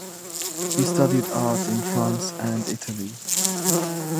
He studied art in France and Italy.